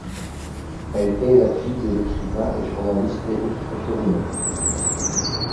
Elle est la fille de l'écrivain et journaliste Éric Fottorino.